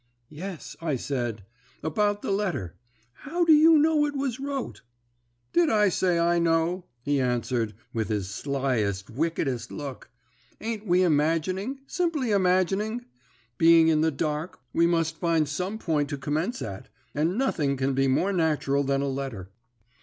"'Yes,' I said, 'about the letter. How do you know it was wrote?' "'Did I say I know?' he answered, with his slyest, wickedest look. 'Ain't we imagining, simply imagining? Being in the dark, we must find some point to commence at, and nothing can be more natural than a letter.'